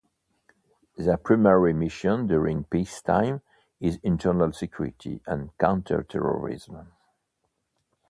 Their primary mission during peacetime is internal security and counter-terrorism.